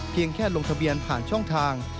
แค่ลงทะเบียนผ่านช่องทาง